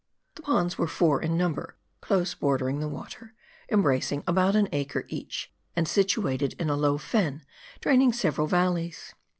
The ponds were four in number, close bordering the water, embracing about an acre each, and situated in a low fen, draining several valleys.